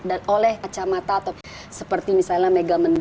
dan oleh kacamata atau seperti misalnya megamond